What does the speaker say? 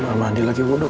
karena dia lagi bodoh ke